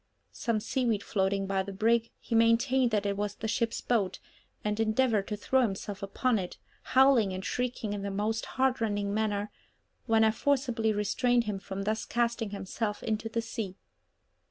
Some seaweed floating by the brig, he maintained that it was the ship's boat, and endeavoured to throw himself upon it, howling and shrieking in the most heartrending manner, when I forcibly restrained him from thus casting himself into the sea.